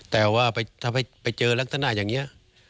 แต่ว่าถ้าไปเจอลักษณะอย่างนี้